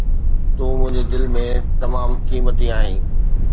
تون منهنجي دل ۾ تمام قيمتي آهين.